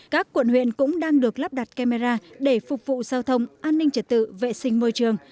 các quận huyện cũng đang được lắp đặt camera để phục vụ giao thông an ninh trật tự vệ sinh môi trường